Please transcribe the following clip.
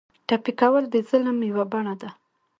ټپي کول د ظلم یوه بڼه ده.